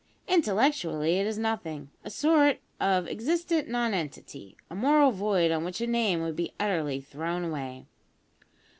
Intellectually it is nothing a sort of existent nonentity, a moral void on which a name would be utterly thrown away.